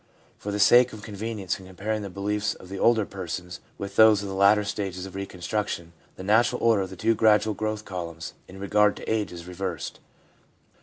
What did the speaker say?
For the sake of convenience in comparing the beliefs of the older persons with those of the later stages of reconstruction, the natural order of the two gradual growth columns in regard to age is reversed.